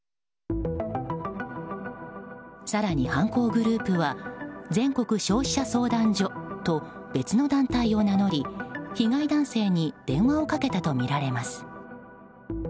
更に、犯行グループは全国消費者相談所と別の団体を名乗り被害男性に電話をかけたとみられます。